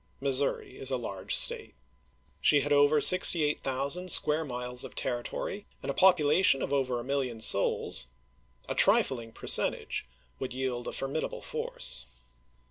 Missouri is a large State. She had over 68,000 square miles of territory, and a population of over a million souls ; a trifling percentage would yield a formidable force.